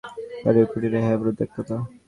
কাঠুরের কুটিরে, হ্যাঁ, পরিত্যক্তটা।